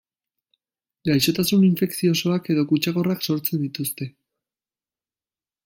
Gaixotasun infekziosoak edo kutsakorrak sortzen dituzte.